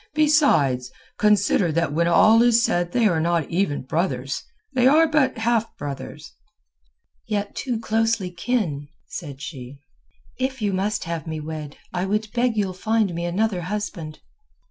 Besides, consider that when all is said they are not even brothers. They are but half brothers." "Yet too closely kin," she said. "If you must have me wed I beg you'll find me another husband."